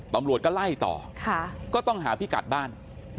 ตำรวจก็ไล่ต่อก็ต้องหาพิกัดบ้าน